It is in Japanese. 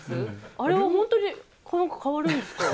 あれは本当に変わるんですか？